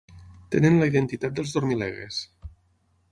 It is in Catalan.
Tenen la identitat dels dormilegues.